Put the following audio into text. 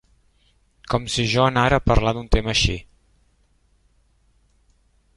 Com si jo anara a parlar d'un tema així!